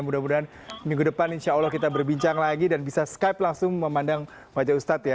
mudah mudahan minggu depan insya allah kita berbincang lagi dan bisa skype langsung memandang wajah ustadz ya